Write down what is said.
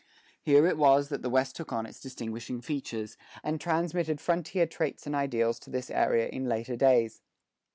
Here it was that the West took on its distinguishing features, and transmitted frontier traits and ideals to this area in later days.